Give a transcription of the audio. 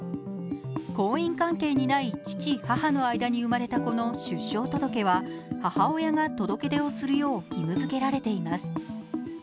婚姻関係にない父・母の間に生まれた子の出生届は母親が届け出をするよう義務づけられています。